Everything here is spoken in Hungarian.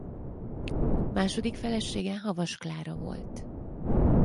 Második felesége Havas Klára volt.